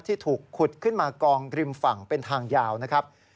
ที่ถูกขุดขึ้นมากองริมฝั่งเป็นทางยาวนะครับ